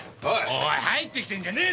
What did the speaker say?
おい入ってきてんじゃねえ！